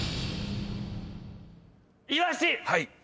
イワシ！